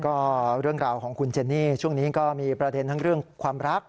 ก็เรื่องราวของคุณเจนี่ช่วงนี้ก็มีประเด็นทั้งเรื่องความรัก